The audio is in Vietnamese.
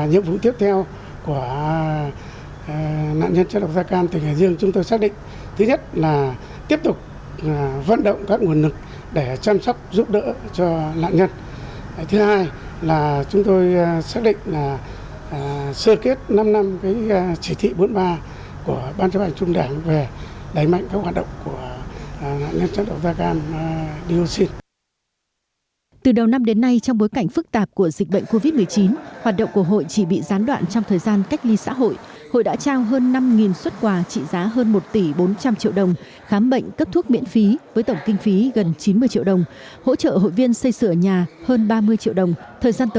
hội nạn nhân chất độc da cam diocin tỉnh hải dương đã có nhiều hoạt động thiết thực và ý nghĩa